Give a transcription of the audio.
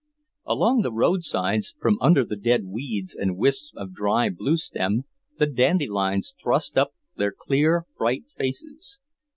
Along the roadsides, from under the dead weeds and wisps of dried bluestem, the dandelions thrust up their clean, bright faces.